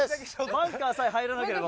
バンカーさえ入らなければ。